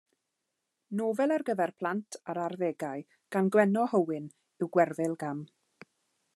Nofel ar gyfer plant a'r arddegau gan Gwenno Hywyn yw Gwerfyl Gam.